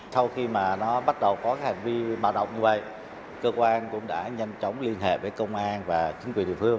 sau khi mà nó bắt đầu có hành vi bạo động như vậy cơ quan cũng đã nhanh chóng liên hệ với công an và chính quyền địa phương